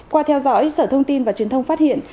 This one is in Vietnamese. qua theo dõi sở thông tin và truyền thông phát hiện